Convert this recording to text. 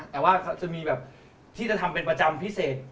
แต่ว่าจะมีแบบที่จะทำเป็นประจำพิเศษ